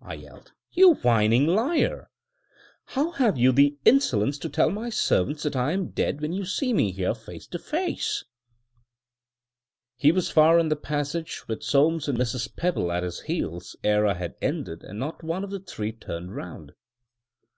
I yelled. "You whining liar! How have you the insolence to tell my servants that I am dead, when you see me here face to face?" He was far in the passage, with Soames and Mrs. Pebble at his heels, ere I had ended, and not one of the three turned round.